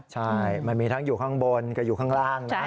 ใช่มันมีทั้งอยู่ข้างบนกับอยู่ข้างล่างนะ